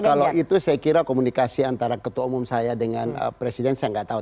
kalau itu saya kira komunikasi antara ketua umum saya dengan presiden saya nggak tahu